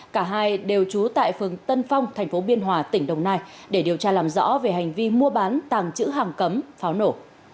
cả hai đều trú tại phường tân phong tp biên hòa tỉnh đồng nai để điều tra làm rõ về hành vi mua bán tàng chữ hàng cấm pháo nổ